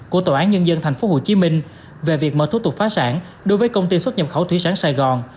của tòa án nhân dân thành phố hồ chí minh về việc mở thuốc tục phá sản đối với công ty xuất nhập khẩu thủy sản sài gòn